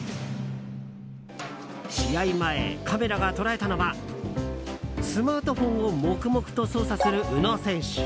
試合前、カメラが捉えたのはスマートフォンを黙々と操作する宇野選手。